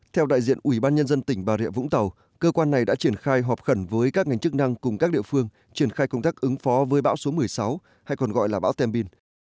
theo đại diện ủy ban nhân dân tỉnh bà rịa vũng tàu cơ quan này đã triển khai họp khẩn với các ngành chức năng cùng các địa phương triển khai công tác ứng phó với bão số một mươi sáu hay còn gọi là bão tem bin